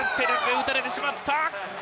打たれてしまった。